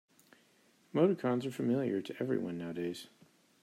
Emoticons are familiar to everyone nowadays.